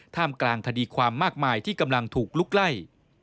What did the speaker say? กลางคดีความมากมายที่กำลังถูกลุกไล่